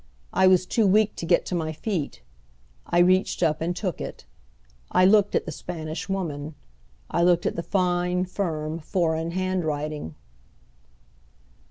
I was too weak to get to my feet. I reached up and took it. I looked at the Spanish Woman. I looked at the fine, firm, foreign handwriting.